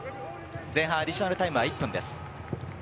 前半アディショナルタイムは１分です。